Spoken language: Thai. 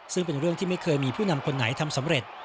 ซึ่งเป็นเรื่องที่ไม่เคยมีผู้นำคนไหนทำสำเร็จ